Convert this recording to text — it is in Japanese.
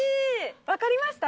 分かりました？